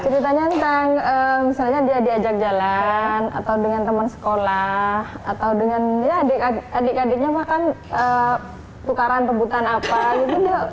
ceritanya tentang misalnya dia diajak jalan atau dengan teman sekolah atau dengan ya adik adiknya makan tukaran rebutan apa gitu